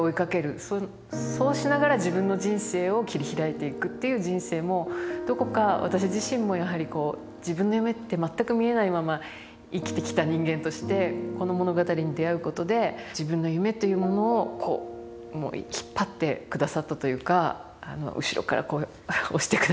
そうしながら自分の人生を切り開いていくっていう人生もどこか私自身もやはりこう自分の夢って全く見えないまま生きてきた人間としてこの物語に出会うことで自分の夢というものをこう引っ張ってくださったというか後ろからこう押してくださったというか。